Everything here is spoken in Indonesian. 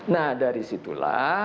nah dari situlah